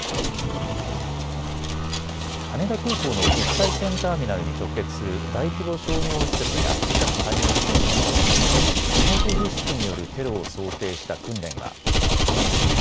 羽田空港の国際線ターミナルに直結する大規模商業施設が近く開業するのに合わせ化学物質によるテロを想定した訓練が行われました。